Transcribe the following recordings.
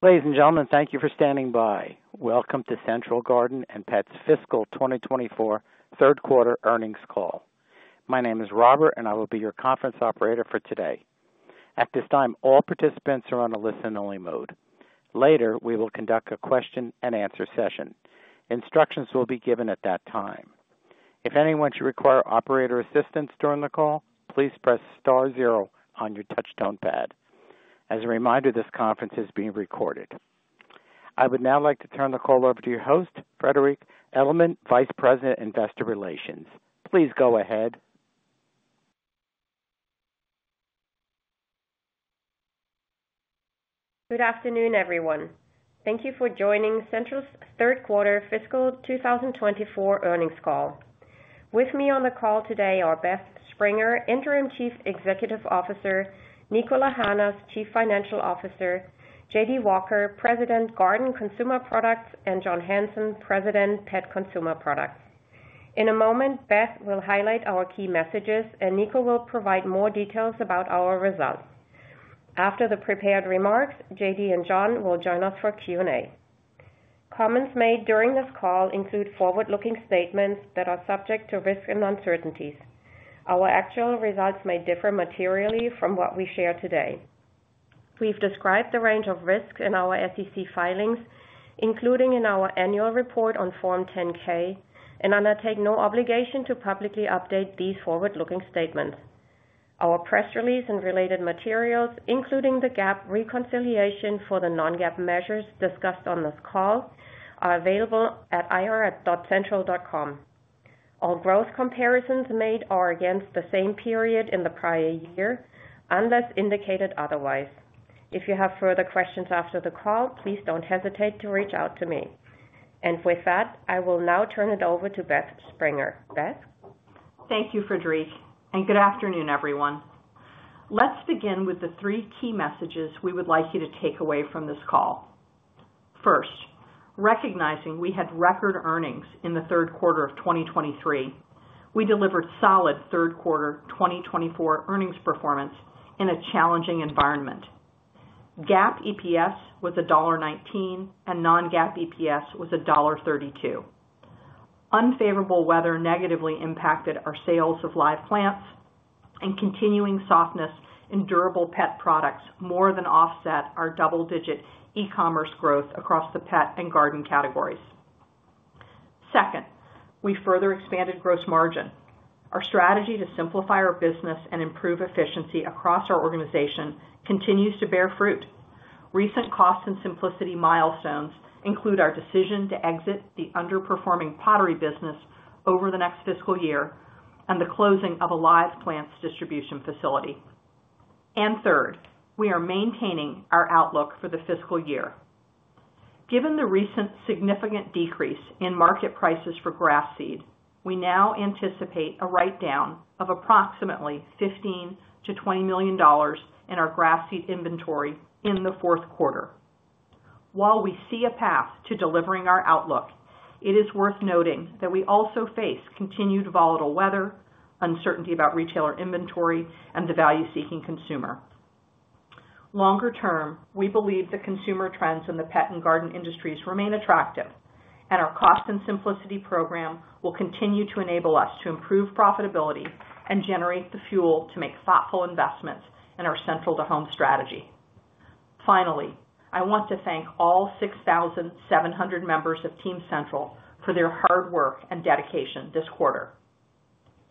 Ladies and gentlemen, thank you for standing by. Welcome to Central Garden & Pet's fiscal 2024 third quarter earnings call. My name is Robert, and I will be your conference operator for today. At this time, all participants are on a listen-only mode. Later, we will conduct a question-and-answer session. Instructions will be given at that time. If anyone should require operator assistance during the call, please press star zero on your touch-tone pad. As a reminder, this conference is being recorded. I would now like to turn the call over to your host, Friederike Edelmann, Vice President, Investor Relations. Please go ahead. Good afternoon, everyone. Thank you for joining Central's third quarter fiscal 2024 earnings call. With me on the call today are Beth Springer, Interim Chief Executive Officer; Niko Lahanas, Chief Financial Officer; J.D. Walker, President, Garden Consumer Products; and John Hanson, President, Pet Consumer Products. In a moment, Beth will highlight our key messages, and Niko will provide more details about our results. After the prepared remarks, J.D. and John will join us for Q&A. Comments made during this call include forward-looking statements that are subject to risk and uncertainties. Our actual results may differ materially from what we share today. We've described the range of risks in our SEC filings, including in our annual report on Form 10-K, and undertake no obligation to publicly update these forward-looking statements. Our press release and related materials, including the GAAP reconciliation for the non-GAAP measures discussed on this call, are available at ir.central.com. All growth comparisons made are against the same period in the prior year, unless indicated otherwise. If you have further questions after the call, please don't hesitate to reach out to me. And with that, I will now turn it over to Beth Springer. Beth? Thank you, Friederike, and good afternoon, everyone. Let's begin with the three key messages we would like you to take away from this call. First, recognizing we had record earnings in the third quarter of 2023, we delivered solid third quarter 2024 earnings performance in a challenging environment. GAAP EPS was $1.19, and non-GAAP EPS was $1.32. Unfavorable weather negatively impacted our sales of live plants, and continuing softness in durable pet products more than offset our double-digit e-commerce growth across the pet and garden categories. Second, we further expanded gross margin. Our strategy to simplify our business and improve efficiency across our organization continues to bear fruit. Recent cost and simplicity milestones include our decision to exit the underperforming pottery business over the next fiscal year and the closing of a live plants distribution facility. Third, we are maintaining our outlook for the fiscal year. Given the recent significant decrease in market prices for grass seed, we now anticipate a write-down of approximately $15-$20 million in our grass seed inventory in the fourth quarter. While we see a path to delivering our outlook, it is worth noting that we also face continued volatile weather, uncertainty about retailer inventory, and the value-seeking consumer. Longer term, we believe the consumer trends in the pet and garden industries remain attractive, and our cost and simplicity program will continue to enable us to improve profitability and generate the fuel to make thoughtful investments in our Central to Home strategy. Finally, I want to thank all 6,700 members of Team Central for their hard work and dedication this quarter.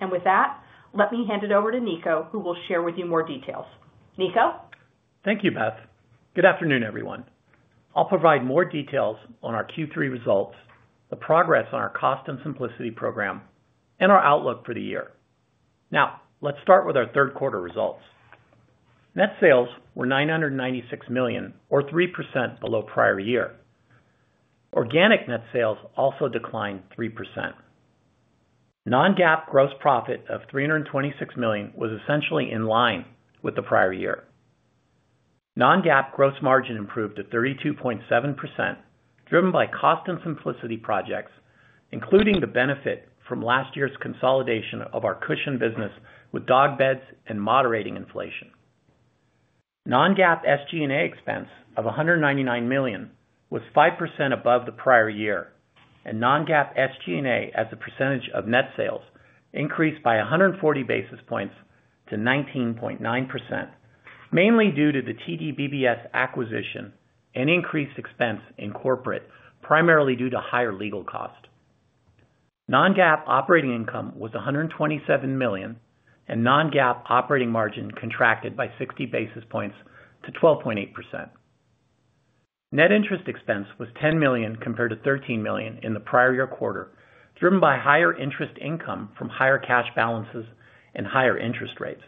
And with that, let me hand it over to Niko, who will share with you more details. Niko? Thank you, Beth. Good afternoon, everyone. I'll provide more details on our Q3 results, the progress on our Cost and Simplicity program, and our outlook for the year. Now, let's start with our third quarter results. Net sales were $996 million, or 3% below prior year. Organic net sales also declined 3%. Non-GAAP gross profit of $326 million was essentially in line with the prior year. Non-GAAP gross margin improved to 32.7%, driven by Cost and Simplicity projects, including the benefit from last year's consolidation of our cushion business with dog beds and moderating inflation. Non-GAAP SG&A expense of $199 million was 5% above the prior year, and non-GAAP SG&A as a percentage of net sales increased by 140 basis points to 19.9%, mainly due to the TDBBS acquisition and increased expense in corporate, primarily due to higher legal cost. Non-GAAP operating income was $127 million, and non-GAAP operating margin contracted by 60 basis points to 12.8%. Net interest expense was $10 million compared to $13 million in the prior year quarter, driven by higher interest income from higher cash balances and higher interest rates.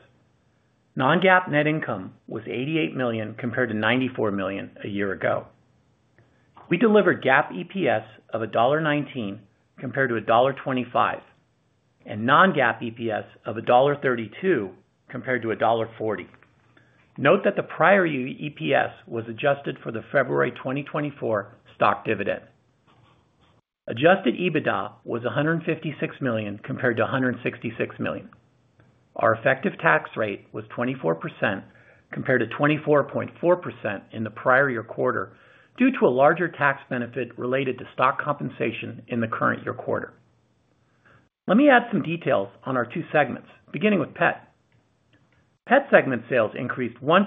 Non-GAAP net income was $88 million compared to $94 million a year ago. We delivered GAAP EPS of $1.19 compared to $1.25, and non-GAAP EPS of $1.32 compared to $1.40. Note that the prior year EPS was adjusted for the February 2024 stock dividend. Adjusted EBITDA was $156 million compared to $166 million. Our effective tax rate was 24% compared to 24.4% in the prior year quarter due to a larger tax benefit related to stock compensation in the current year quarter. Let me add some details on our two segments, beginning with pet. Pet segment sales increased 1%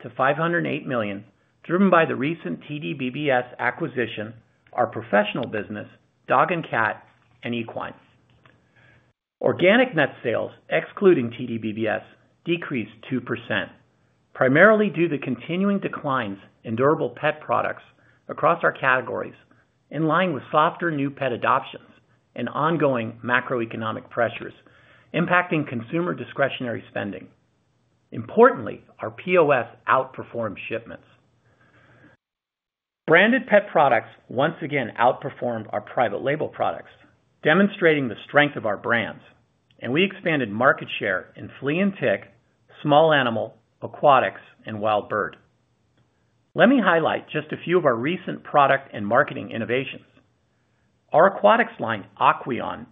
to $508 million, driven by the recent TDBBS acquisition, our professional business, dog and cat, and equine. Organic net sales, excluding TDBBS, decreased 2%, primarily due to continuing declines in durable pet products across our categories, in line with softer new pet adoptions and ongoing macroeconomic pressures impacting consumer discretionary spending. Importantly, our POS outperformed shipments. Branded pet products once again outperformed our private label products, demonstrating the strength of our brands, and we expanded market share in flea and tick, small animal, aquatics, and wild bird. Let me highlight just a few of our recent product and marketing innovations. Our aquatics line, Aqueon,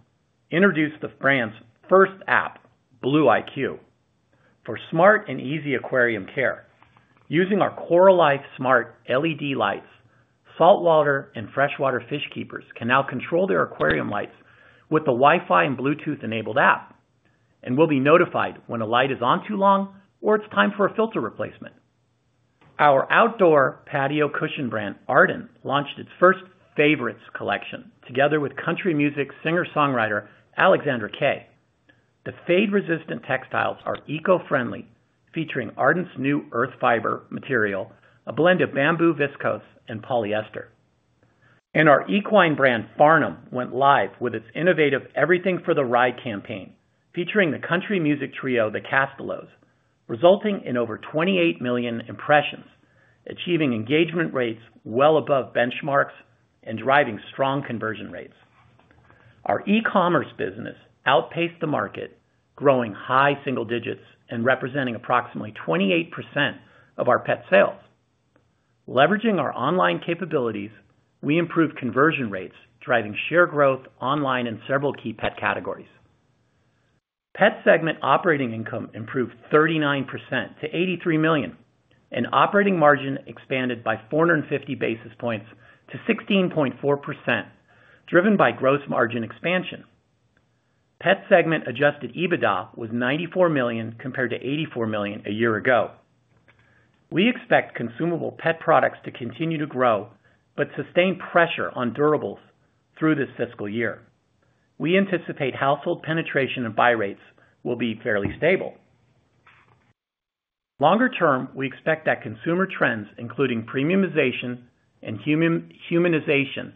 introduced the brand's first app, BlueIQ, for smart and easy aquarium care. Using our Coralife Smart LED lights, saltwater and freshwater fish keepers can now control their aquarium lights with the Wi-Fi and Bluetooth-enabled app and will be notified when a light is on too long or it's time for a filter replacement. Our outdoor patio cushion brand, Arden Selections, launched its first favorites collection together with country music singer-songwriter Alexandra Kay. The fade-resistant textiles are eco-friendly, featuring Arden Selections' new Earth Fiber material, a blend of bamboo viscose and polyester. Our equine brand, Farnam, went live with its innovative Everything for the Ride campaign, featuring the country music trio, The Castellows, resulting in over 28 million impressions, achieving engagement rates well above benchmarks and driving strong conversion rates. Our e-commerce business outpaced the market, growing high single digits and representing approximately 28% of our pet sales. Leveraging our online capabilities, we improved conversion rates, driving sheer growth online in several key pet categories. Pet segment operating income improved 39% to $83 million, and operating margin expanded by 450 basis points to 16.4%, driven by gross margin expansion. Pet segment Adjusted EBITDA was $94 million compared to $84 million a year ago. We expect consumable pet products to continue to grow but sustain pressure on durables through this fiscal year. We anticipate household penetration and buy rates will be fairly stable. Longer term, we expect that consumer trends, including premiumization and humanization,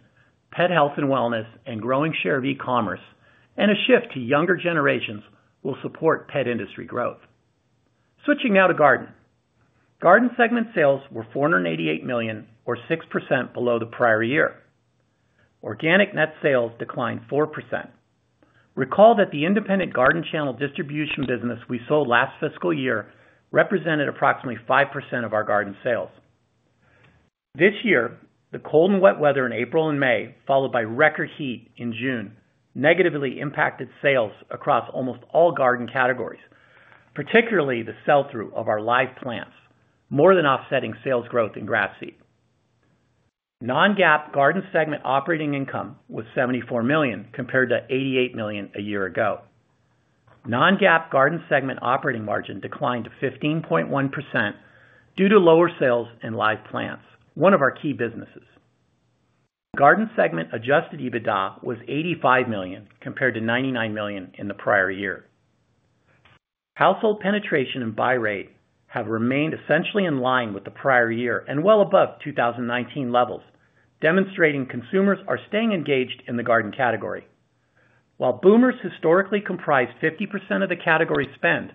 pet health and wellness, and growing share of e-commerce, and a shift to younger generations will support pet industry growth. Switching now to Garden. Garden segment sales were $488 million, or 6% below the prior year. Organic net sales declined 4%. Recall that the independent garden channel distribution business we sold last fiscal year represented approximately 5% of our garden sales. This year, the cold and wet weather in April and May, followed by record heat in June, negatively impacted sales across almost all garden categories, particularly the sell-through of our live plants, more than offsetting sales growth in grass seed. Non-GAAP garden segment operating income was $74 million compared to $88 million a year ago. Non-GAAP garden segment operating margin declined to 15.1% due to lower sales in live plants, one of our key businesses. Garden segment adjusted EBITDA was $85 million compared to $99 million in the prior year. Household penetration and buy rate have remained essentially in line with the prior year and well above 2019 levels, demonstrating consumers are staying engaged in the garden category. While boomers historically comprised 50% of the category spend,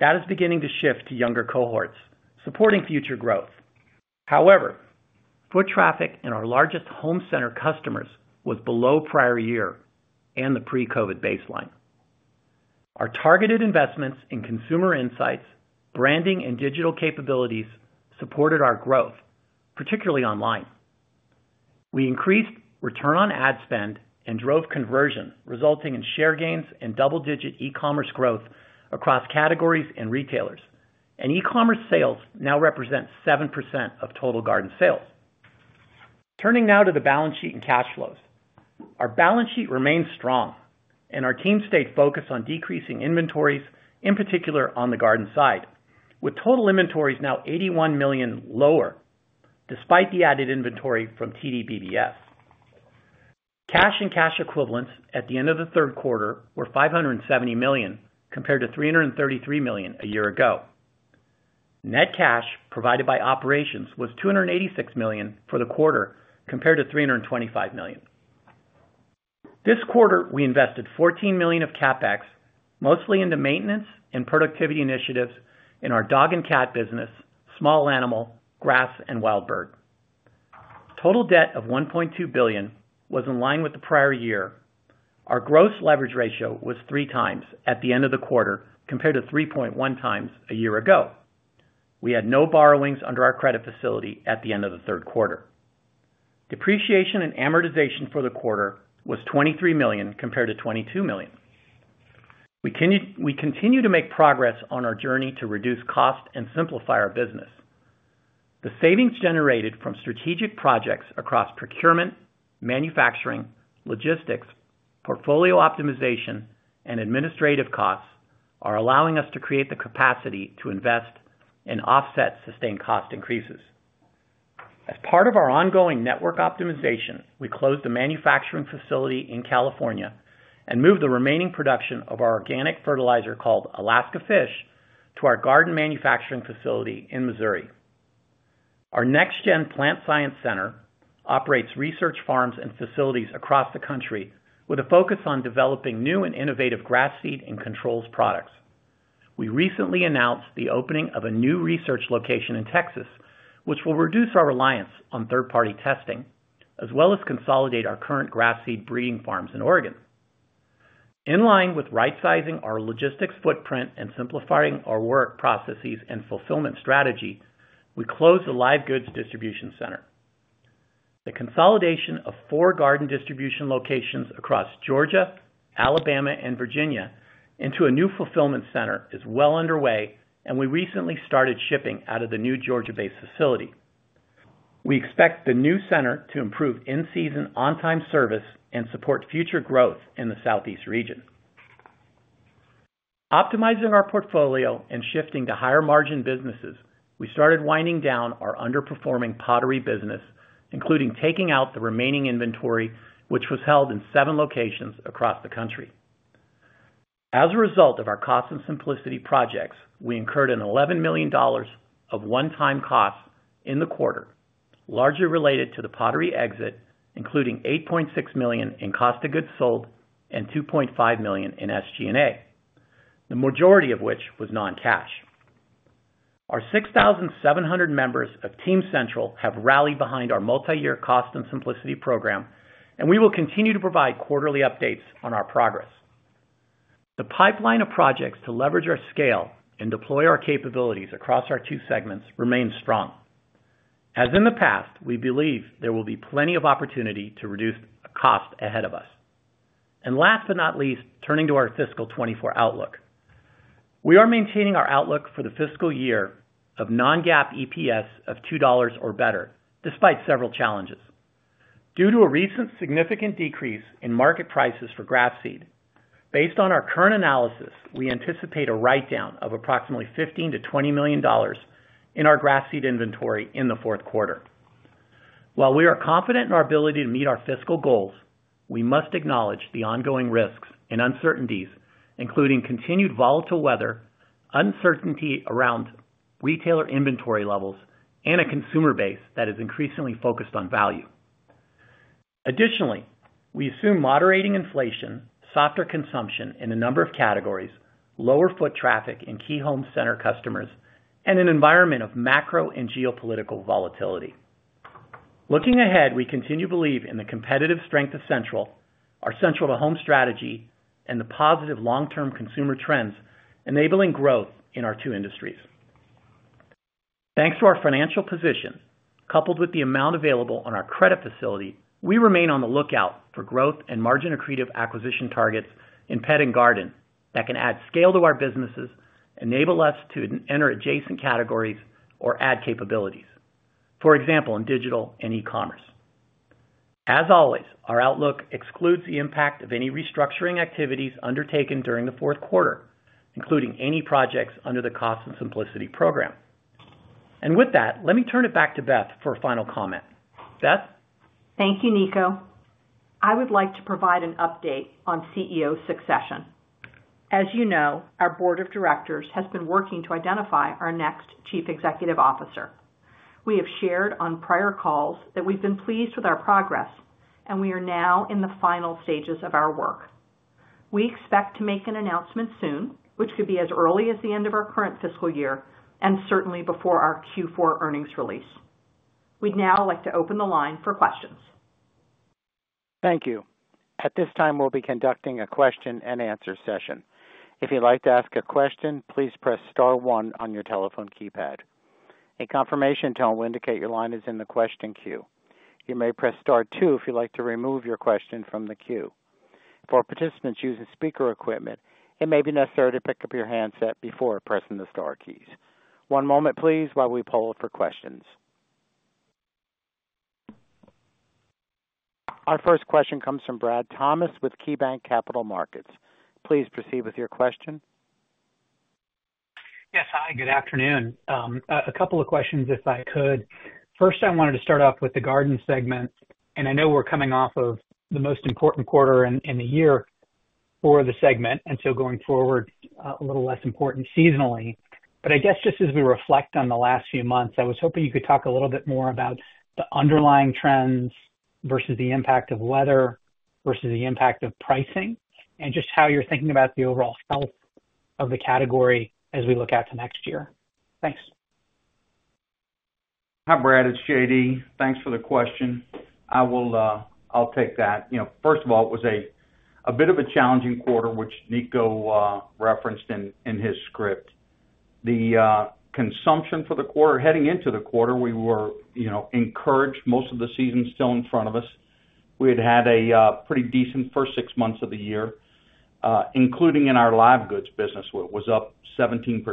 that is beginning to shift to younger cohorts, supporting future growth. However, foot traffic and our largest home center customers was below prior year and the pre-COVID baseline. Our targeted investments in consumer insights, branding, and digital capabilities supported our growth, particularly online. We increased return on ad spend and drove conversion, resulting in share gains and double-digit e-commerce growth across categories and retailers, and e-commerce sales now represent 7% of total garden sales. Turning now to the balance sheet and cash flows. Our balance sheet remains strong, and our team stayed focused on decreasing inventories, in particular on the garden side, with total inventories now $81 million lower, despite the added inventory from TDBBS. Cash and cash equivalents at the end of the third quarter were $570 million compared to $333 million a year ago. Net cash provided by operations was $286 million for the quarter, compared to $325 million. This quarter, we invested $14 million of CapEx, mostly into maintenance and productivity initiatives in our dog and cat business, small animal, grass, and wild bird. Total debt of $1.2 billion was in line with the prior year. Our gross leverage ratio was 3 times at the end of the quarter, compared to 3.1 times a year ago. We had no borrowings under our credit facility at the end of the third quarter. Depreciation and amortization for the quarter was $23 million compared to $22 million. We continue to make progress on our journey to reduce cost and simplify our business. The savings generated from strategic projects across procurement, manufacturing, logistics, portfolio optimization, and administrative costs are allowing us to create the capacity to invest and offset sustained cost increases. As part of our ongoing network optimization, we closed the manufacturing facility in California and moved the remaining production of our organic fertilizer called Alaska Fish to our garden manufacturing facility in Missouri. Our NextGen Plant Science Center operates research farms and facilities across the country with a focus on developing new and innovative grass seed and controls products. We recently announced the opening of a new research location in Texas, which will reduce our reliance on third-party testing, as well as consolidate our current grass seed breeding farms in Oregon. In line with right-sizing our logistics footprint and simplifying our work processes and fulfillment strategy, we closed the live goods distribution center. The consolidation of four garden distribution locations across Georgia, Alabama, and Virginia into a new fulfillment center is well underway, and we recently started shipping out of the new Georgia-based facility. We expect the new center to improve in-season, on-time service and support future growth in the Southeast region. Optimizing our portfolio and shifting to higher margin businesses, we started winding down our underperforming pottery business, including taking out the remaining inventory, which was held in seven locations across the country. As a result of our Cost and Simplicity projects, we incurred an $11 million of one-time costs in the quarter, largely related to the pottery exit, including $8.6 million in cost of goods sold and $2.5 million in SG&A, the majority of which was non-cash. Our 6,700 members of Team Central have rallied behind our multi-year Cost and Simplicity program, and we will continue to provide quarterly updates on our progress. The pipeline of projects to leverage our scale and deploy our capabilities across our two segments remains strong. As in the past, we believe there will be plenty of opportunity to reduce cost ahead of us. Last but not least, turning to our fiscal 2024 outlook, we are maintaining our outlook for the fiscal year of non-GAAP EPS of $2 or better, despite several challenges. Due to a recent significant decrease in market prices for grass seed, based on our current analysis, we anticipate a write-down of approximately $15-$20 million in our grass seed inventory in the fourth quarter. While we are confident in our ability to meet our fiscal goals, we must acknowledge the ongoing risks and uncertainties, including continued volatile weather, uncertainty around retailer inventory levels, and a consumer base that is increasingly focused on value. Additionally, we assume moderating inflation, softer consumption in a number of categories, lower foot traffic in key home center customers, and an environment of macro and geopolitical volatility. Looking ahead, we continue to believe in the competitive strength of Central, our Central to Home strategy, and the positive long-term consumer trends enabling growth in our two industries. Thanks to our financial position, coupled with the amount available on our credit facility, we remain on the lookout for growth and margin accretive acquisition targets in pet and garden that can add scale to our businesses, enable us to enter adjacent categories, or add capabilities, for example, in digital and e-commerce. As always, our outlook excludes the impact of any restructuring activities undertaken during the fourth quarter, including any projects under the cost and simplicity program. And with that, let me turn it back to Beth for a final comment. Beth? Thank you, Niko. I would like to provide an update on CEO succession. As you know, our board of directors has been working to identify our next Chief Executive Officer. We have shared on prior calls that we've been pleased with our progress, and we are now in the final stages of our work. We expect to make an announcement soon, which could be as early as the end of our current fiscal year and certainly before our Q4 earnings release. We'd now like to open the line for questions. Thank you. At this time, we'll be conducting a question and answer session. If you'd like to ask a question, please press Star 1 on your telephone keypad. A confirmation tone will indicate your line is in the question queue. You may press Star 2 if you'd like to remove your question from the queue. For participants using speaker equipment, it may be necessary to pick up your handset before pressing the Star keys. One moment, please, while we poll for questions. Our first question comes from Brad Thomas with KeyBanc Capital Markets. Please proceed with your question. Yes, hi. Good afternoon. A couple of questions, if I could. First, I wanted to start off with the garden segment, and I know we're coming off of the most important quarter in the year for the segment, and so going forward, a little less important seasonally. But I guess just as we reflect on the last few months, I was hoping you could talk a little bit more about the underlying trends versus the impact of weather versus the impact of pricing, and just how you're thinking about the overall health of the category as we look out to next year. Thanks. Hi, Brad. It's J.D. Thanks for the question. I'll take that. First of all, it was a bit of a challenging quarter, which Niko referenced in his script. The consumption for the quarter, heading into the quarter, we were encouraged. Most of the season's still in front of us. We had had a pretty decent first six months of the year, including in our live goods business, where it was up 17%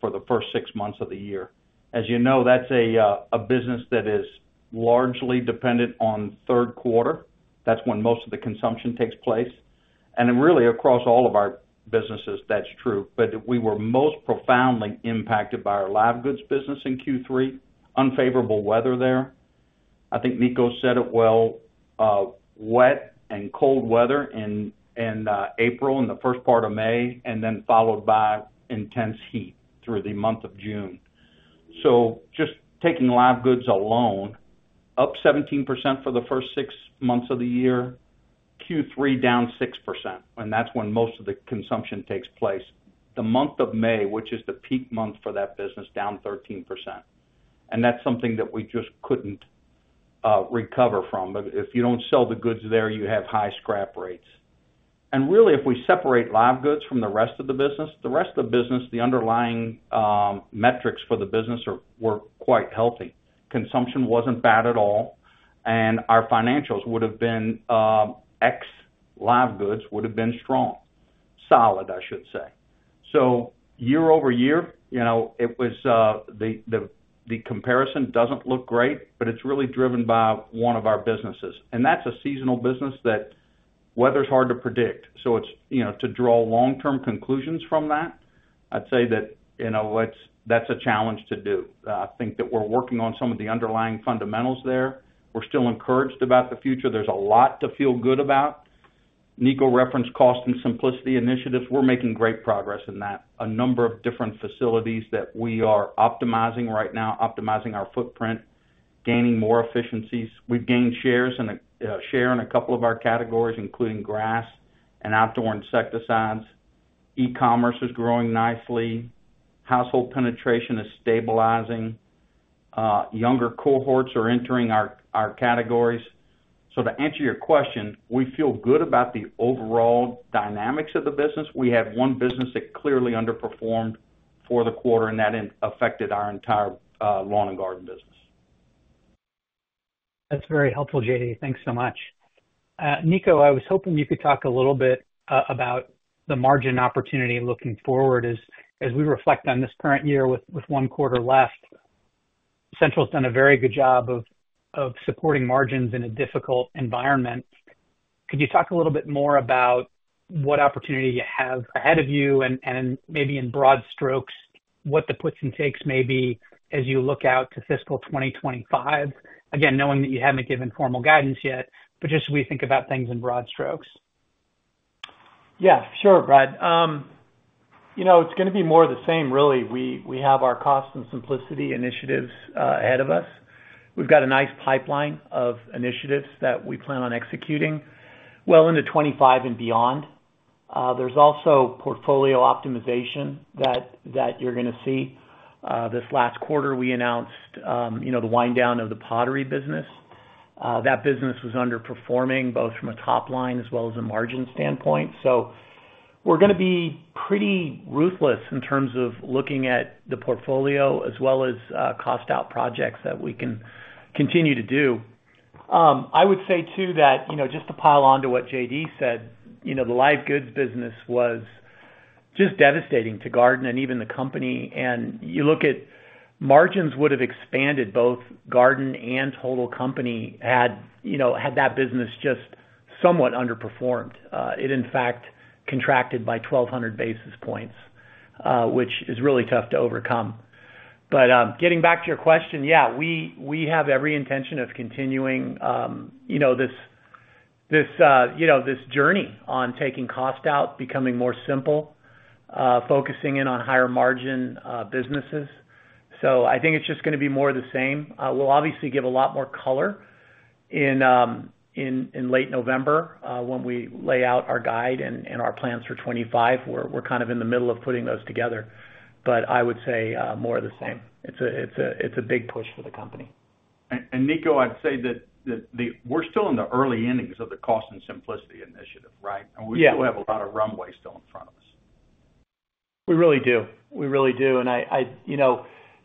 for the first six months of the year. As you know, that's a business that is largely dependent on third quarter. That's when most of the consumption takes place. And really, across all of our businesses, that's true. But we were most profoundly impacted by our live goods business in Q3, unfavorable weather there. I think Niko said it well, wet and cold weather in April, in the first part of May, and then followed by intense heat through the month of June. So just taking live goods alone, up 17% for the first six months of the year, Q3 down 6%, and that's when most of the consumption takes place. The month of May, which is the peak month for that business, down 13%. And that's something that we just couldn't recover from. If you don't sell the goods there, you have high scrap rates. And really, if we separate live goods from the rest of the business, the rest of the business, the underlying metrics for the business were quite healthy. Consumption wasn't bad at all, and our financials would have been ex live goods would have been strong, solid, I should say. So, year over year, the comparison doesn't look great, but it's really driven by one of our businesses. And that's a seasonal business that the weather's hard to predict. So to draw long-term conclusions from that, I'd say that's a challenge to do. I think that we're working on some of the underlying fundamentals there. We're still encouraged about the future. There's a lot to feel good about. Niko referenced Cost and Simplicity initiatives. We're making great progress in that. A number of different facilities that we are optimizing right now, optimizing our footprint, gaining more efficiencies. We've gained share in a couple of our categories, including grass and outdoor insecticides. E-commerce is growing nicely. Household penetration is stabilizing. Younger cohorts are entering our categories. So to answer your question, we feel good about the overall dynamics of the business. We had one business that clearly underperformed for the quarter, and that affected our entire lawn and garden business. That's very helpful, J.D. Thanks so much. Niko, I was hoping you could talk a little bit about the margin opportunity looking forward as we reflect on this current year with one quarter left. Central's done a very good job of supporting margins in a difficult environment. Could you talk a little bit more about what opportunity you have ahead of you, and maybe in broad strokes, what the puts and takes may be as you look out to fiscal 2025? Again, knowing that you haven't given formal guidance yet, but just as we think about things in broad strokes. Yeah, sure, Brad. It's going to be more of the same, really. We have our Cost and Simplicity initiatives ahead of us. We've got a nice pipeline of initiatives that we plan on executing well into 2025 and beyond. There's also portfolio optimization that you're going to see. This last quarter, we announced the wind down of the pottery business. That business was underperforming both from a top line as well as a margin standpoint. So we're going to be pretty ruthless in terms of looking at the portfolio as well as cost-out projects that we can continue to do. I would say too that just to pile on to what J.D. said, the live goods business was just devastating to Garden and even the company. And you look at margins would have expanded both Garden and Total Company had that business just somewhat underperformed. It, in fact, contracted by 1,200 basis points, which is really tough to overcome. But getting back to your question, yeah, we have every intention of continuing this journey on taking cost out, becoming more simple, focusing in on higher margin businesses. So I think it's just going to be more of the same. We'll obviously give a lot more color in late November when we lay out our guide and our plans for 2025. We're kind of in the middle of putting those together. But I would say more of the same. It's a big push for the company. And Niko, I'd say that we're still in the early innings of the Cost and Simplicity initiative, right? And we still have a lot of runway still in front of us. We really do. We really do. And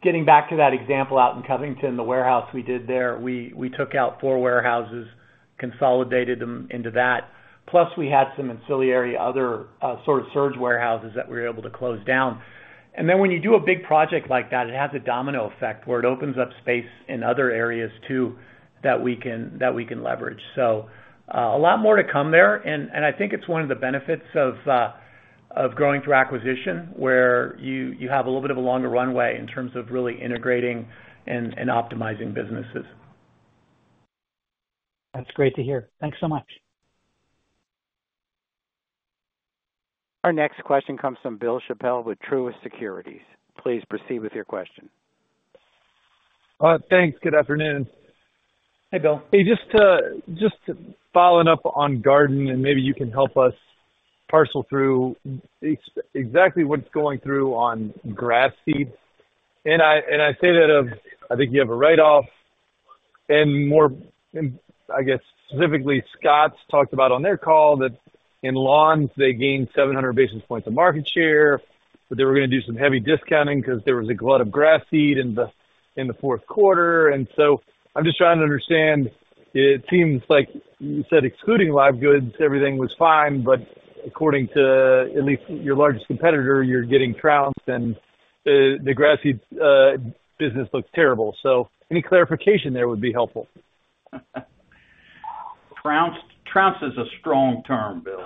getting back to that example out in Covington, the warehouse we did there, we took out four warehouses, consolidated them into that. Plus, we had some ancillary other sort of surge warehouses that we were able to close down. And then when you do a big project like that, it has a domino effect where it opens up space in other areas too that we can leverage. So a lot more to come there. And I think it's one of the benefits of growing through acquisition where you have a little bit of a longer runway in terms of really integrating and optimizing businesses. That's great to hear. Thanks so much. Our next question comes from Bill Chappell with Truist Securities. Please proceed with your question. Thanks. Good afternoon. Hey, Bill. Hey, just following up on Garden, and maybe you can help us parse through exactly what's going on on grass seed. And I say that because, I think you have a write-off. More, I guess, specifically, Scotts talked about on their call that in lawns, they gained 700 basis points of market share, but they were going to do some heavy discounting because there was a glut of grass seed in the fourth quarter. So I'm just trying to understand. It seems like you said excluding live goods, everything was fine, but according to at least your largest competitor, you're getting trounced, and the grass seed business looks terrible. So any clarification there would be helpful. Trounced is a strong term, Bill.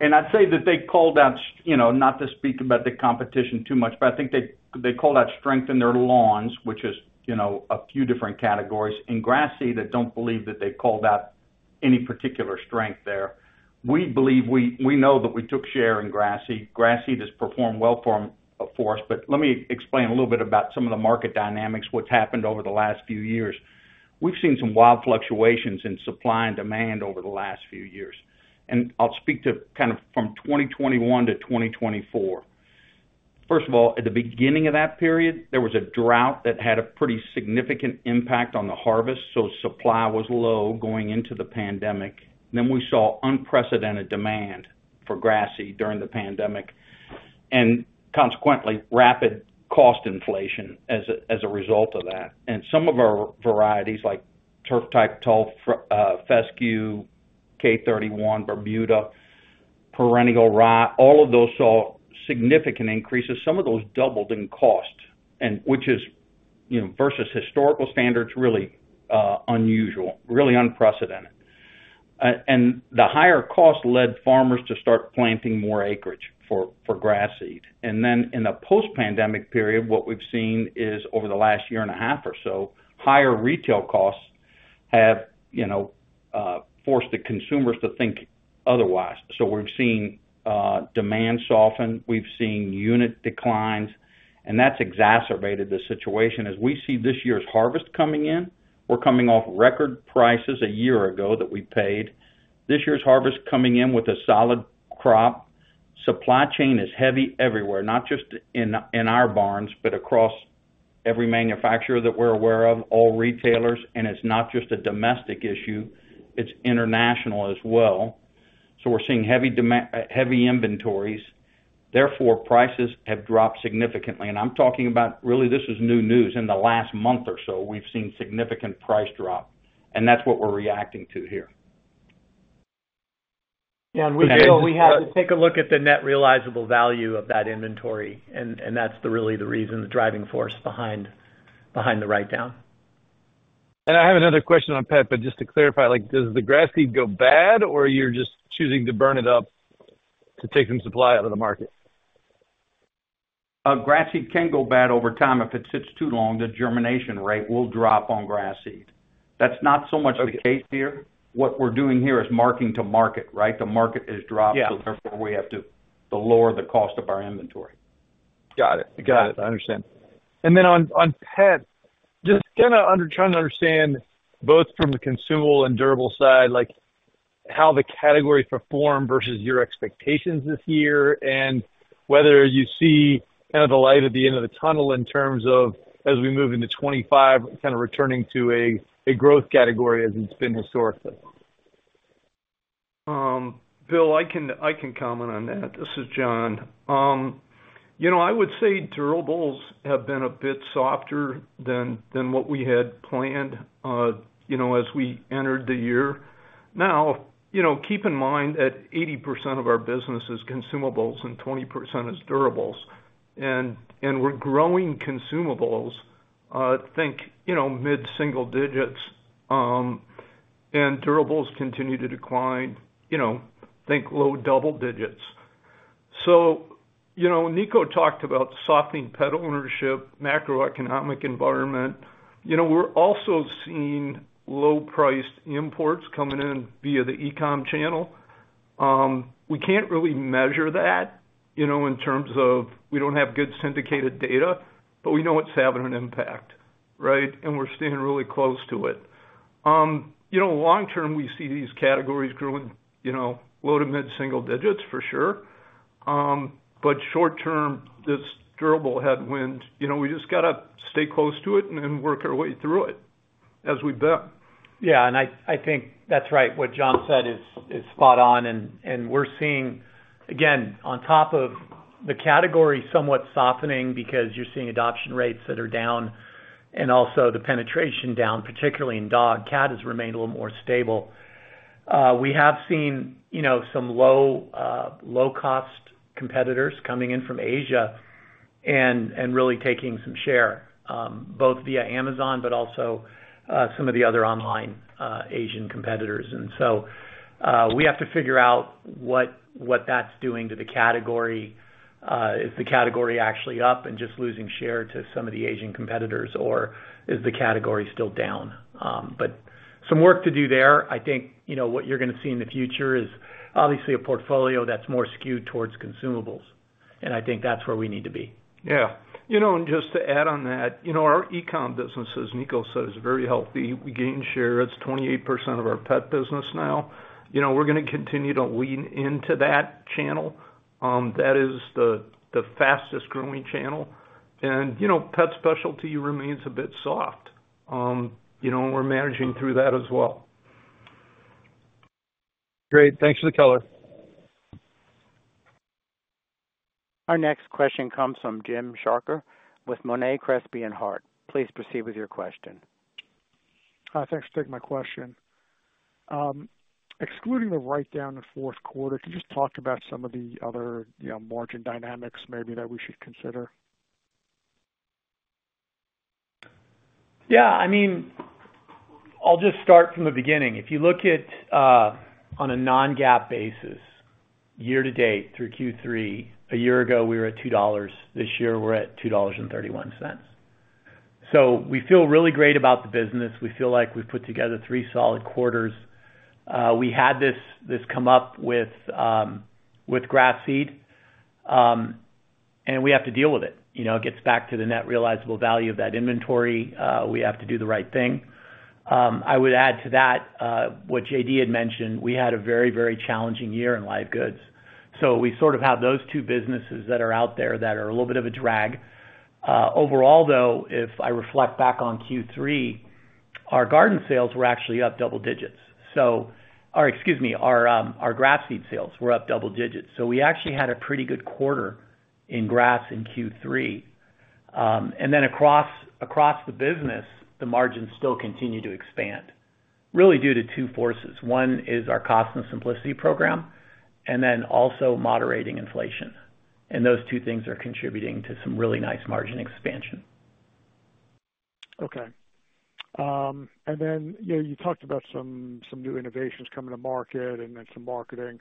I'd say that they called out, not to speak about the competition too much, but I think they called out strength in their lawns, which is a few different categories. In grass seed, I don't believe that they called out any particular strength there. We know that we took share in grass seed. Grass seed has performed well for us. But let me explain a little bit about some of the market dynamics, what's happened over the last few years. We've seen some wild fluctuations in supply and demand over the last few years. And I'll speak to kind of from 2021 to 2024. First of all, at the beginning of that period, there was a drought that had a pretty significant impact on the harvest. So supply was low going into the pandemic. Then we saw unprecedented demand for grass seed during the pandemic and consequently rapid cost inflation as a result of that. And some of our varieties like Turf Type Tall Fescue, K-31, Bermuda, Perennial Rye, all of those saw significant increases. Some of those doubled in cost, which is versus historical standards, really unusual, really unprecedented. The higher cost led farmers to start planting more acreage for grass seed. Then in the post-pandemic period, what we've seen is over the last year and a half or so, higher retail costs have forced the consumers to think otherwise. We've seen demand soften. We've seen unit declines. And that's exacerbated the situation. As we see this year's harvest coming in, we're coming off record prices a year ago that we paid. This year's harvest coming in with a solid crop. Supply chain is heavy everywhere, not just in our barns, but across every manufacturer that we're aware of, all retailers. And it's not just a domestic issue. It's international as well. We're seeing heavy inventories. Therefore, prices have dropped significantly. And I'm talking about, really, this is new news. In the last month or so, we've seen significant price drop. That's what we're reacting to here. Yeah. We have to take a look at the net realizable value of that inventory. That's really the reason, the driving force behind the write-down. I have another question on PEP, but just to clarify, does the grass seed go bad, or you're just choosing to burn it up to take some supply out of the market? Grass seed can go bad over time. If it sits too long, the germination rate will drop on grass seed. That's not so much the case here. What we're doing here is marking to market, right? The market has dropped, so therefore we have to lower the cost of our inventory. Got it. Got it. I understand. And then on PEP, just kind of trying to understand both from the consumable and durable side, how the categories perform versus your expectations this year, and whether you see kind of the light at the end of the tunnel in terms of as we move into 2025, kind of returning to a growth category as it's been historically. Bill, I can comment on that. This is John. I would say durables have been a bit softer than what we had planned as we entered the year. Now, keep in mind that 80% of our business is consumables and 20% is durables. And we're growing consumables, think mid-single digits, and durables continue to decline. Think low double digits. So Niko talked about softening pet ownership, macroeconomic environment. We're also seeing low-priced imports coming in via the e-com channel. We can't really measure that in terms of we don't have good syndicated data, but we know it's having an impact, right? And we're staying really close to it. Long-term, we see these categories growing low- to mid-single digits for sure. But short-term, this durable headwind. We just got to stay close to it and work our way through it as we best. Yeah. And I think that's right. What John said is spot on. And we're seeing, again, on top of the category somewhat softening because you're seeing adoption rates that are down and also the penetration down, particularly in dog. Cat has remained a little more stable. We have seen some low-cost competitors coming in from Asia and really taking some share, both via Amazon, but also some of the other online Asian competitors. We have to figure out what that's doing to the category. Is the category actually up and just losing share to some of the Asian competitors, or is the category still down? Some work to do there. I think what you're going to see in the future is obviously a portfolio that's more skewed towards consumables. I think that's where we need to be. Yeah. Just to add on that, our e-com businesses, Niko said, is very healthy. We gained share. It's 28% of our pet business now. We're going to continue to lean into that channel. That is the fastest-growing channel. Pet specialty remains a bit soft. We're managing through that as well. Great. Thanks for the color. Our next question comes from Jim Chartier with Monness, Crespi, & Hardt. Please proceed with your question. Hi. Thanks for taking my question. Excluding the write-down in fourth quarter, can you just talk about some of the other margin dynamics maybe that we should consider? Yeah. I mean, I'll just start from the beginning. If you look at on a non-GAAP basis, year to date through Q3, a year ago, we were at $2. This year, we're at $2.31. So we feel really great about the business. We feel like we've put together three solid quarters. We had this come up with grass seed, and we have to deal with it. It gets back to the net realizable value of that inventory. We have to do the right thing. I would add to that what J.D. had mentioned. We had a very, very challenging year in live goods. So we sort of have those two businesses that are out there that are a little bit of a drag. Overall, though, if I reflect back on Q3, our garden sales were actually up double digits. Excuse me. Our grass seed sales were up double digits. So we actually had a pretty good quarter in grass in Q3. And then across the business, the margins still continue to expand, really due to two forces. One is our Cost and Simplicity program, and then also moderating inflation. And those two things are contributing to some really nice margin expansion. Okay. And then you talked about some new innovations coming to market and then some marketing.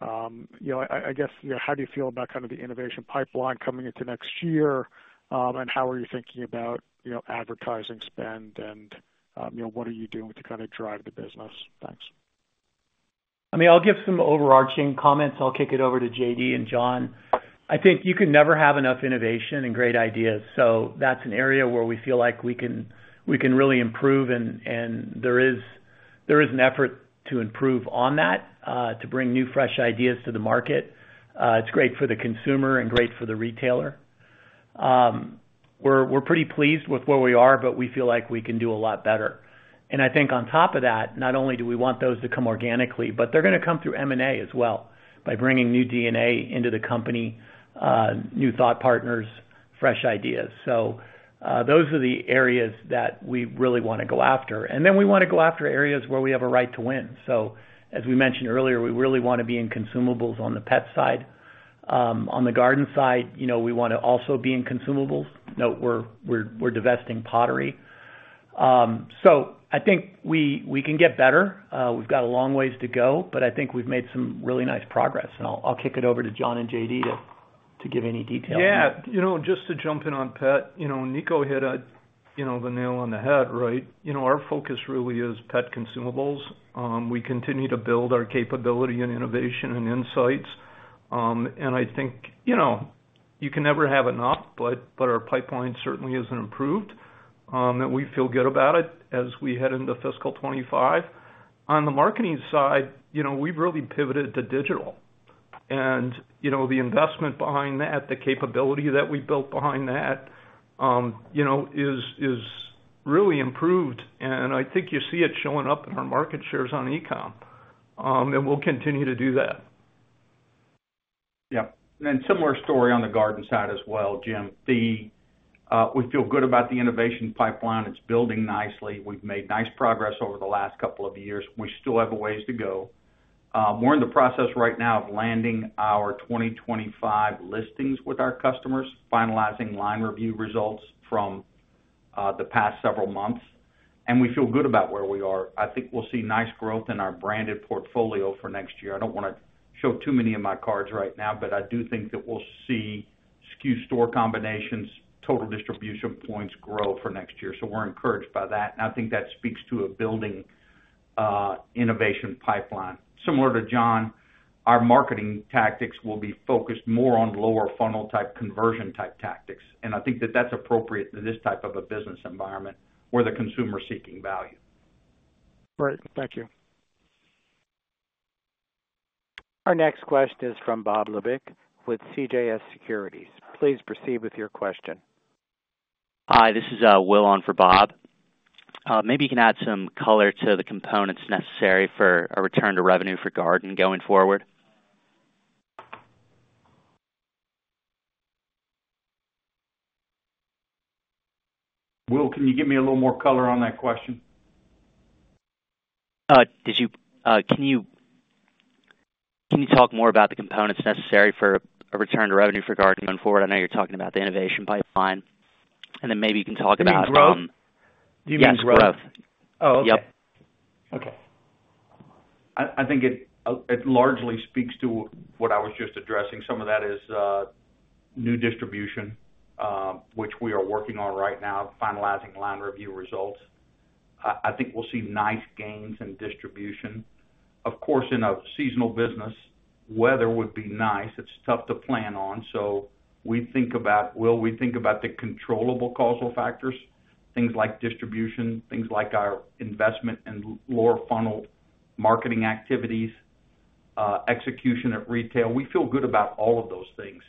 I guess, how do you feel about kind of the innovation pipeline coming into next year? And how are you thinking about advertising spend? And what are you doing to kind of drive the business? Thanks. I mean, I'll give some overarching comments. I'll kick it over to J.D. and John. I think you can never have enough innovation and great ideas. So that's an area where we feel like we can really improve. And there is an effort to improve on that, to bring new fresh ideas to the market. It's great for the consumer and great for the retailer. We're pretty pleased with where we are, but we feel like we can do a lot better. And I think on top of that, not only do we want those to come organically, but they're going to come through M&A as well by bringing new DNA into the company, new thought partners, fresh ideas. So those are the areas that we really want to go after. And then we want to go after areas where we have a right to win. So as we mentioned earlier, we really want to be in consumables on the pet side. On the garden side, we want to also be in consumables. No, we're divesting pottery. So I think we can get better. We've got a long ways to go, but I think we've made some really nice progress. And I'll kick it over to John and J.D. to give any details. Yeah. Just to jump in on PEP, Niko hit the nail on the head, right? Our focus really is pet consumables. We continue to build our capability and innovation and insights. And I think you can never have enough, but our pipeline certainly isn't improved. And we feel good about it as we head into fiscal 2025. On the marketing side, we've really pivoted to digital. And the investment behind that, the capability that we built behind that, is really improved. And I think you see it showing up in our market shares on e-com. And we'll continue to do that. Yep. And similar story on the garden side as well, Jim. We feel good about the innovation pipeline. It's building nicely. We've made nice progress over the last couple of years. We still have a ways to go. We're in the process right now of landing our 2025 listings with our customers, finalizing line review results from the past several months. And we feel good about where we are. I think we'll see nice growth in our branded portfolio for next year. I don't want to show too many of my cards right now, but I do think that we'll see SKU store combinations, total distribution points grow for next year. So we're encouraged by that. And I think that speaks to a building innovation pipeline. Similar to John, our marketing tactics will be focused more on lower funnel type conversion type tactics. And I think that that's appropriate to this type of a business environment where the consumer is seeking value. Right. Thank you. Our next question is from Bob Labick with CJS Securities. Please proceed with your question. Hi. This is Will on for Bob. Maybe you can add some color to the components necessary for a return to revenue for garden going forward. Will, can you give me a little more color on that question? Can you talk more about the components necessary for a return to revenue for garden going forward? I know you're talking about the innovation pipeline. And then maybe you can talk about. Yes. Growth. Do you mean growth? Yes. Growth. Yep. Okay. I think it largely speaks to what I was just addressing. Some of that is new distribution, which we are working on right now, finalizing line review results. I think we'll see nice gains in distribution. Of course, in a seasonal business, weather would be nice. It's tough to plan on. So we think about the controllable causal factors, things like distribution, things like our investment in lower funnel marketing activities, execution at retail? We feel good about all of those things.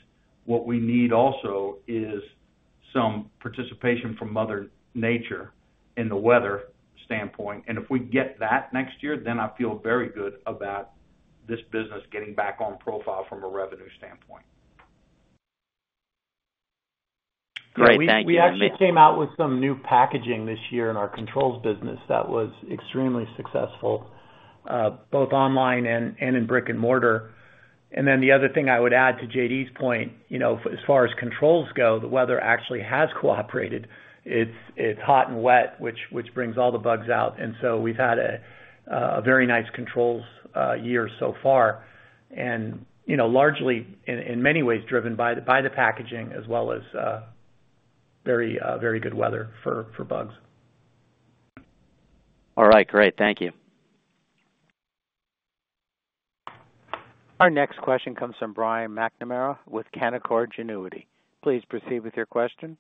What we need also is some participation from Mother Nature in the weather standpoint. And if we get that next year, then I feel very good about this business getting back on profile from a revenue standpoint. Great. Thank you. We actually came out with some new packaging this year in our controls business that was extremely successful, both online and in brick and mortar. And then the other thing I would add to J.D.'s point, as far as controls go, the weather actually has cooperated. It's hot and wet, which brings all the bugs out. And so we've had a very nice controls year so far, and largely, in many ways, driven by the packaging as well as very good weather for bugs. All right. Great. Thank you. Our next question comes from Brian McNamara with Canaccord Genuity. Please proceed with your question.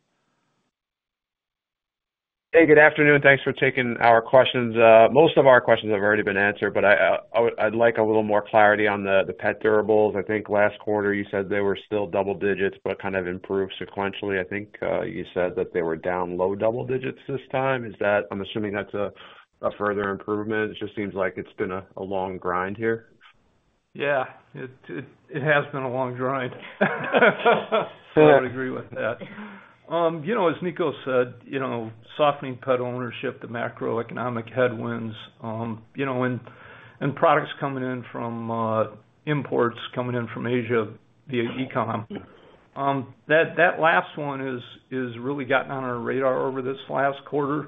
Hey, good afternoon. Thanks for taking our questions. Most of our questions have already been answered, but I'd like a little more clarity on the pet durables. I think last quarter, you said they were still double digits, but kind of improved sequentially. I think you said that they were down low double digits this time. I'm assuming that's a further improvement. It just seems like it's been a long grind here. Yeah. It has been a long grind. I would agree with that. As Niko said, softening pet ownership, the macroeconomic headwinds, and products coming in from imports coming in from Asia via e-com, that last one has really gotten on our radar over this last quarter.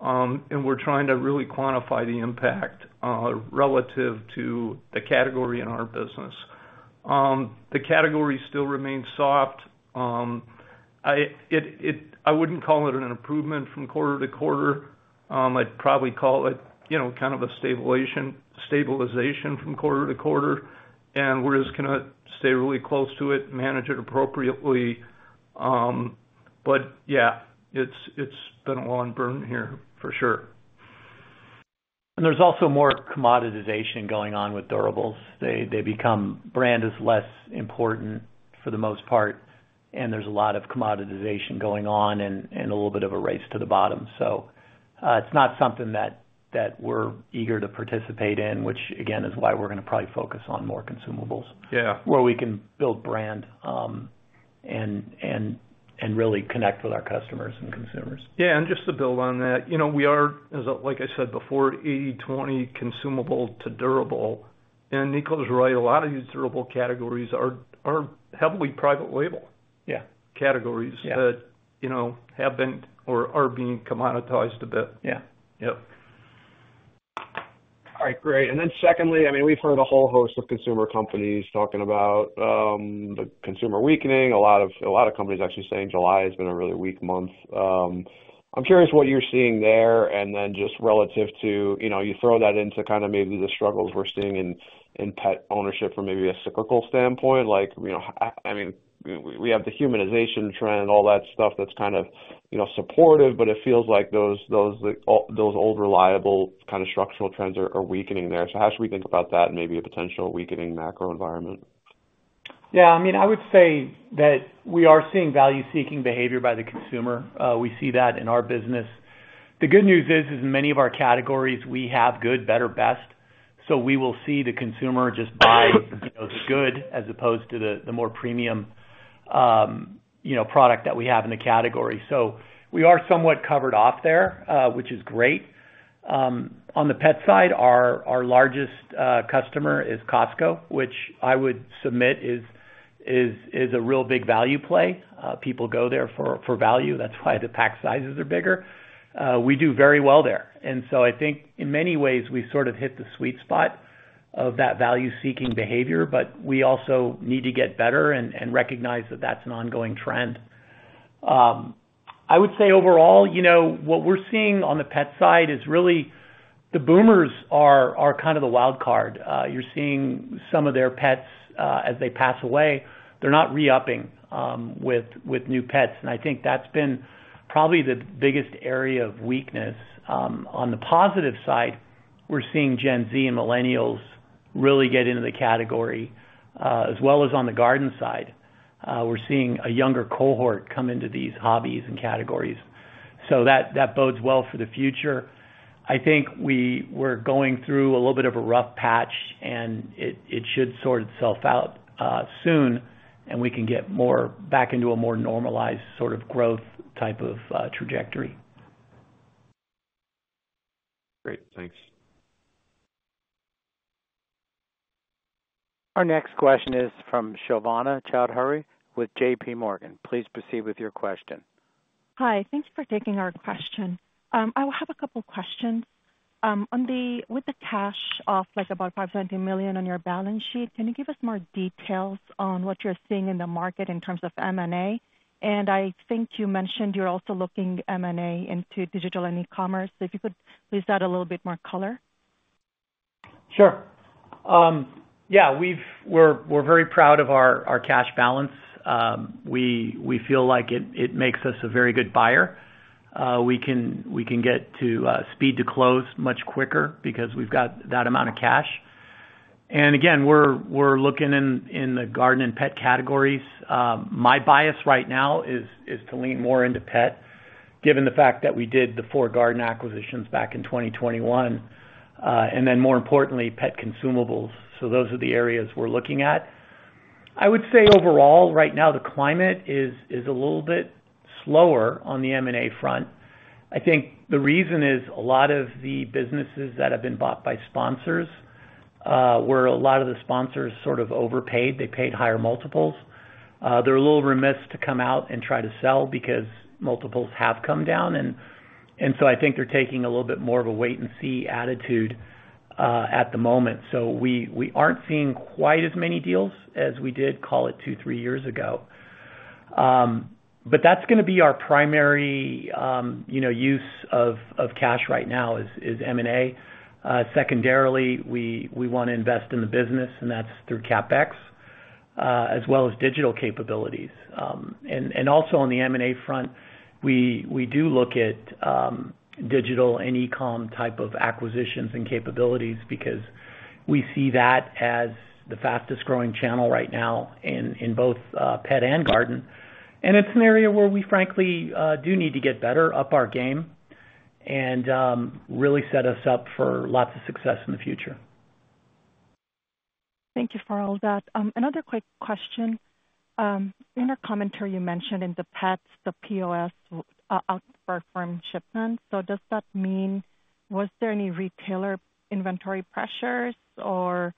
And we're trying to really quantify the impact relative to the category in our business. The category still remains soft. I wouldn't call it an improvement from quarter to quarter. I'd probably call it kind of a stabilization from quarter to quarter. And we're just going to stay really close to it, manage it appropriately. But yeah, it's been a long burn here for sure. And there's also more commoditization going on with durables. Brand is less important for the most part. And there's a lot of commoditization going on and a little bit of a race to the bottom. So it's not something that we're eager to participate in, which, again, is why we're going to probably focus on more consumables where we can build brand and really connect with our customers and consumers. Yeah. And just to build on that, we are, like I said before, 80/20 consumable to durable. And Niko's right. A lot of these durable categories are heavily private label categories that have been or are being commoditized a bit. Yeah. Yep. All right. Great. And then secondly, I mean, we've heard a whole host of consumer companies talking about the consumer weakening. A lot of companies actually saying July has been a really weak month. I'm curious what you're seeing there. And then just relative to you throw that into kind of maybe the struggles we're seeing in pet ownership from maybe a cyclical standpoint. I mean, we have the humanization trend, all that stuff that's kind of supportive, but it feels like those old reliable kind of structural trends are weakening there. So how should we think about that and maybe a potential weakening macro environment? Yeah. I mean, I would say that we are seeing value-seeking behavior by the consumer. We see that in our business. The good news is, in many of our categories, we have good, better, best. So we will see the consumer just buy the good as opposed to the more premium product that we have in the category. So we are somewhat covered off there, which is great. On the pet side, our largest customer is Costco, which I would submit is a real big value play. People go there for value. That's why the pack sizes are bigger. We do very well there. And so I think, in many ways, we sort of hit the sweet spot of that value-seeking behavior, but we also need to get better and recognize that that's an ongoing trend. I would say overall, what we're seeing on the pet side is really the boomers are kind of the wild card. You're seeing some of their pets as they pass away. They're not re-upping with new pets. And I think that's been probably the biggest area of weakness. On the positive side, we're seeing Gen Z and millennials really get into the category, as well as on the garden side. We're seeing a younger cohort come into these hobbies and categories. So that bodes well for the future. I think we're going through a little bit of a rough patch, and it should sort itself out soon. We can get back into a more normalized sort of growth type of trajectory. Great. Thanks. Our next question is from Shovana Chowdhury with J.P. Morgan. Please proceed with your question. Hi. Thank you for taking our question. I have a couple of questions. With the cash of about $570 million on your balance sheet, can you give us more details on what you're seeing in the market in terms of M&A? And I think you mentioned you're also looking M&A into digital and e-commerce. If you could please add a little bit more color. Sure. Yeah. We're very proud of our cash balance. We feel like it makes us a very good buyer. We can get to speed to close much quicker because we've got that amount of cash. And again, we're looking in the garden and pet categories. My bias right now is to lean more into pet, given the fact that we did the 4 garden acquisitions back in 2021. And then, more importantly, pet consumables. So those are the areas we're looking at. I would say overall, right now, the climate is a little bit slower on the M&A front. I think the reason is a lot of the businesses that have been bought by sponsors, where a lot of the sponsors sort of overpaid, they paid higher multiples. They're a little remiss to come out and try to sell because multiples have come down. And so I think they're taking a little bit more of a wait-and-see attitude at the moment. So we aren't seeing quite as many deals as we did, call it, 2, 3 years ago. But that's going to be our primary use of cash right now is M&A. Secondarily, we want to invest in the business, and that's through CapEx, as well as digital capabilities. And also, on the M&A front, we do look at digital and e-com type of acquisitions and capabilities because we see that as the fastest growing channel right now in both pet and garden. And it's an area where we, frankly, do need to get better, up our game, and really set us up for lots of success in the future. Thank you for all that. Another quick question. In your commentary, you mentioned in the pets, the POS outperformed shipments. So does that mean was there any retailer inventory pressures, or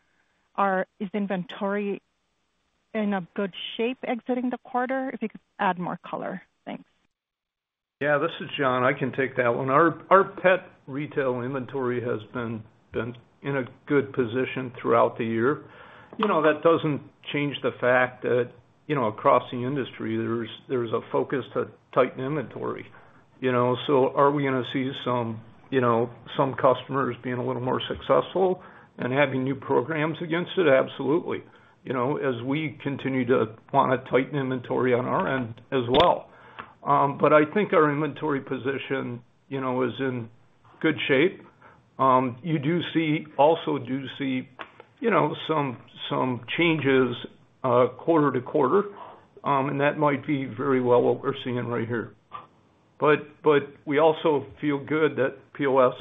is inventory in a good shape exiting the quarter? If you could add more color, thanks. Yeah. This is John. I can take that one. Our pet retail inventory has been in a good position throughout the year. That doesn't change the fact that across the industry, there's a focus to tighten inventory. So are we going to see some customers being a little more successful and having new programs against it? Absolutely, as we continue to want to tighten inventory on our end as well. But I think our inventory position is in good shape. You also do see some changes quarter to quarter. And that might be very well what we're seeing right here. But we also feel good that POS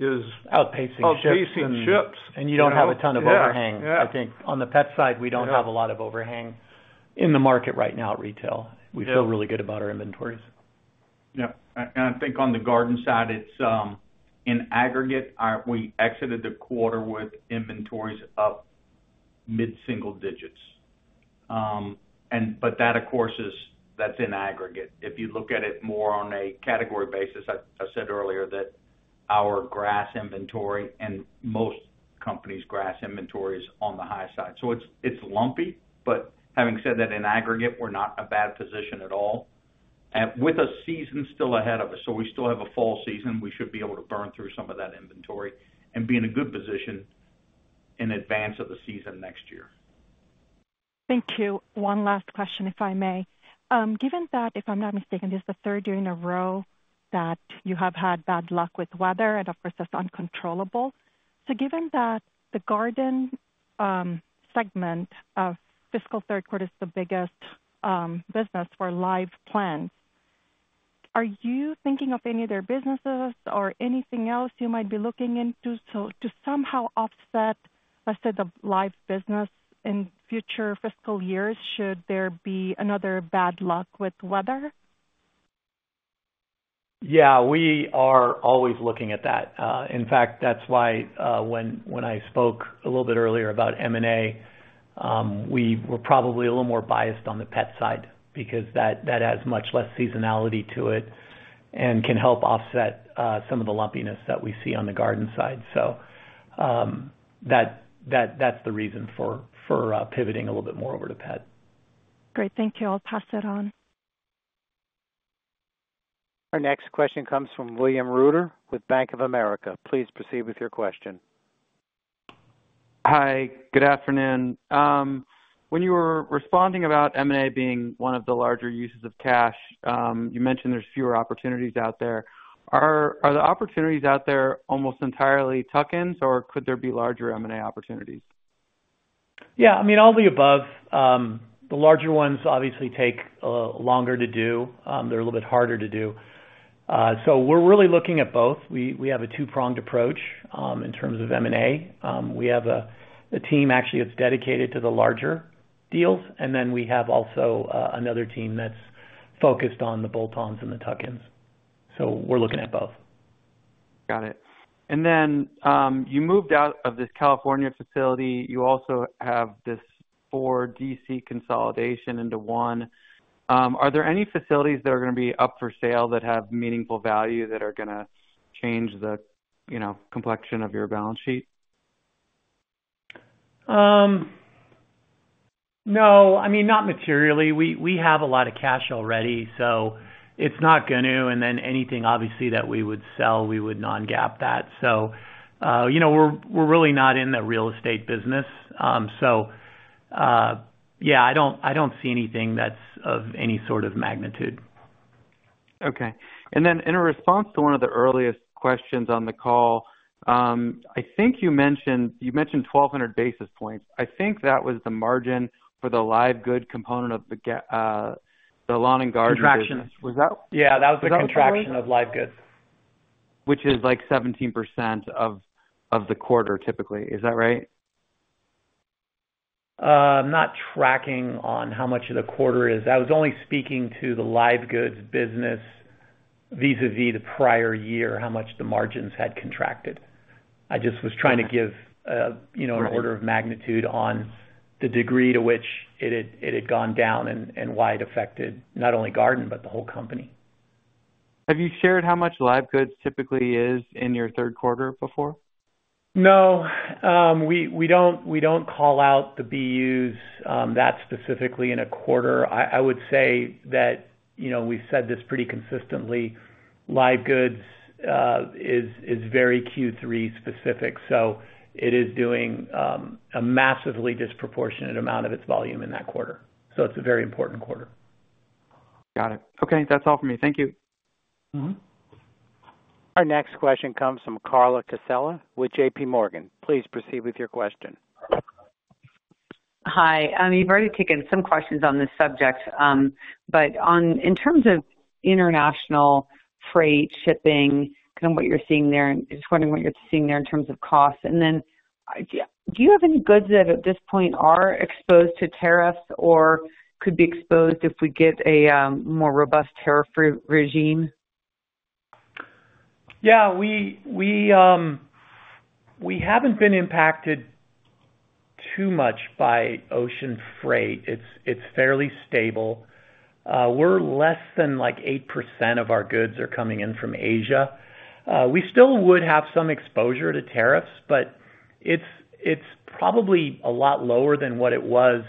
is outpacing ships. Outpacing ships. And you don't have a ton of overhang, I think. On the pet side, we don't have a lot of overhang in the market right now at retail. We feel really good about our inventories. Yeah. And I think on the garden side, in aggregate, we exited the quarter with inventories up mid-single digits. But that, of course, that's in aggregate. If you look at it more on a category basis, I said earlier that our grass inventory and most companies' grass inventory is on the high side. So it's lumpy. But having said that, in aggregate, we're not in a bad position at all, with a season still ahead of us. So we still have a fall season. We should be able to burn through some of that inventory and be in a good position in advance of the season next year. Thank you. One last question, if I may. Given that, if I'm not mistaken, this is the third year in a row that you have had bad luck with weather, and of course, that's uncontrollable. So given that the garden segment of fiscal third quarter is the biggest business for live plants, are you thinking of any other businesses or anything else you might be looking into to somehow offset a set of live business in future fiscal years should there be another bad luck with weather? Yeah. We are always looking at that. In fact, that's why when I spoke a little bit earlier about M&A, we were probably a little more biased on the pet side because that has much less seasonality to it and can help offset some of the lumpiness that we see on the garden side. So that's the reason for pivoting a little bit more over to pet. Great. Thank you. I'll pass that on. Our next question comes from William Reuter with Bank of America. Please proceed with your question. Hi. Good afternoon. When you were responding about M&A being one of the larger uses of cash, you mentioned there's fewer opportunities out there. Are the opportunities out there almost entirely tuck-ins, or could there be larger M&A opportunities? Yeah. I mean, all the above. The larger ones obviously take longer to do. They're a little bit harder to do. So we're really looking at both. We have a 2-pronged approach in terms of M&A. We have a team, actually, that's dedicated to the larger deals. And then we have also another team that's focused on the bolt-ons and the tuck-ins. So we're looking at both. Got it. And then you moved out of this California facility. You also have this 4 DC consolidation into one. Are there any facilities that are going to be up for sale that have meaningful value that are going to change the complexion of your balance sheet? No. I mean, not materially. We have a lot of cash already. So it's not going to. And then anything, obviously, that we would sell, we would non-GAAP that. So we're really not in the real estate business. So yeah, I don't see anything that's of any sort of magnitude. Okay. And then in response to one of the earliest questions on the call, I think you mentioned 1,200 basis points. I think that was the margin for the live goods component of the lawn and garden business. Contraction. Was that? Yeah. That was the contraction of live goods. Which is like 17% of the quarter, typically. Is that right? I'm not tracking on how much of the quarter it is. I was only speaking to the live goods business vis-à-vis the prior year, how much the margins had contracted. I just was trying to give an order of magnitude on the degree to which it had gone down and why it affected not only garden, but the whole company. Have you shared how much live goods typically is in your third quarter before? No. We don't call out the BUs that specifically in a quarter. I would say that we've said this pretty consistently. Live goods is very Q3 specific. So it is doing a massively disproportionate amount of its volume in that quarter. So it's a very important quarter. Got it. Okay. That's all for me. Thank you. Our next question comes from Carla Casella with J.P. Morgan. Please proceed with your question. Hi. You've already taken some questions on this subject. But in terms of international freight shipping, kind of what you're seeing there, just wondering what you're seeing there in terms of costs. And then do you have any goods that at this point are exposed to tariffs or could be exposed if we get a more robust tariff regime? Yeah. We haven't been impacted too much by ocean freight. It's fairly stable. We're less than like 8% of our goods are coming in from Asia. We still would have some exposure to tariffs, but it's probably a lot lower than what it was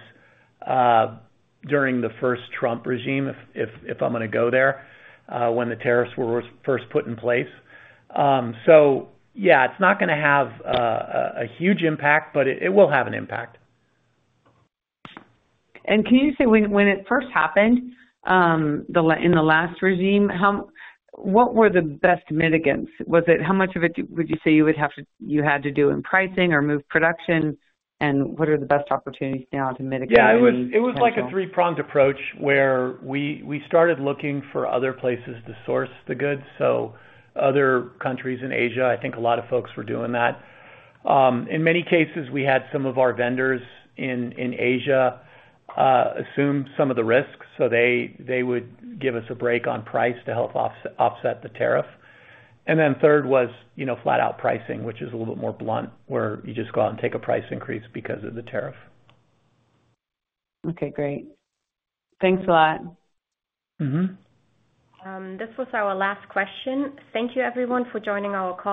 during the first Trump regime, if I'm going to go there, when the tariffs were first put in place. So yeah, it's not going to have a huge impact, but it will have an impact. And can you say when it first happened in the last regime, what were the best mitigants? How much of it would you say you had to do in pricing or move production? And what are the best opportunities now to mitigate? Yeah. It was like a three-pronged approach where we started looking for other places to source the goods. So other countries in Asia, I think a lot of folks were doing that. In many cases, we had some of our vendors in Asia assume some of the risks. So they would give us a break on price to help offset the tariff. And then third was flat-out pricing, which is a little bit more blunt, where you just go out and take a price increase because of the tariff. Okay. Great. Thanks a lot. This was our last question. Thank you, everyone, for joining our call.